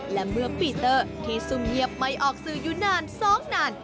และเมื่อปีเตอร์ที่ซุ่มเงียบไม่ออกสื่ออยู่นาน๒นาน